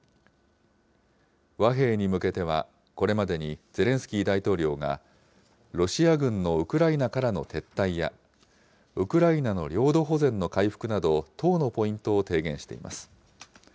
和平に向けてはこれまでにゼレンスキー大統領がロシア軍のウクライナからの撤退や、ウクライナの領土保全の回復など、１０のポイントを提言しています。